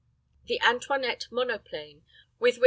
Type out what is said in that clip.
The Antoinette monoplane with which M.